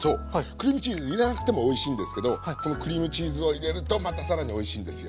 クリームチーズ入れなくてもおいしいんですけどこのクリームチーズを入れるとまた更においしいんですよ。